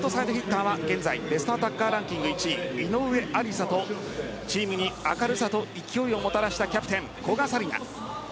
ベストアタッカーランキング１位の井上愛里沙とチームに明るさと勢いをもたらしたキャプテンの古賀紗理那。